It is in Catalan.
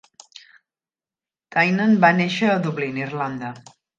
Tynan va néixer a Dublín, Irlanda.